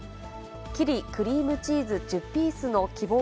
キリクリームチーズ１０ピースの希望